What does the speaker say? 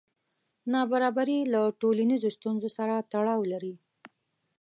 نابرابري له ټولنیزو ستونزو سره تړاو لري.